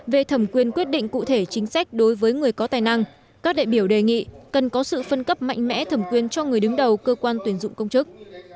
về thẩm quyền quyết định cụ thể chính sách đối với người có tài năng các đại biểu đề nghị cần có sự phân cấp mạnh mẽ thẩm quyền cho người đứng đầu cơ quan tuyển dụng công chức